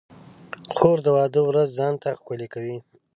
خور د واده ورځ ځان ته ښکلې کوي.